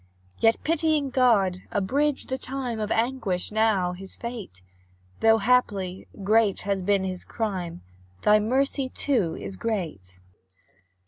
Yet, pitying God, abridge the time Of anguish, now his fate! Though, haply, great has been his crime: Thy mercy, too, is great.